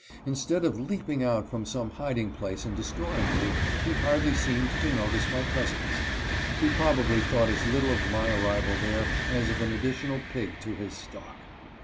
Instead of leaping out from some hiding place and destroying me, he hardly seemed to notice my presence. He probably thought as little of my arrival there as of an additional pig to his stock.